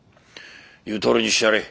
言うとおりにしてやれ。